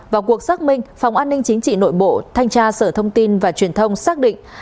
vào cuộc xác minh phòng an ninh chính trị nội bộ thanh tra sở thông tin và truyền thông xác định